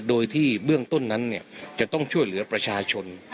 โดยที่เบื้องต้นนั้นจะต้องช่วยเหลือประชาชน